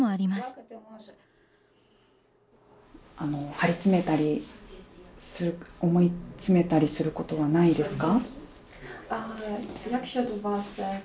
張り詰めたり思い詰めたりすることはないですか。